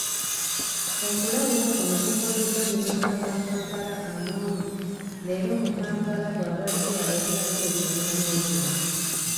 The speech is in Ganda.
Okulabula kuno kukoleddwa Minisita wa Kampala Amongi leero mu Kampala bwabadde ayogerako eri bannamawulire.